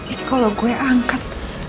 ini kalau gue angkat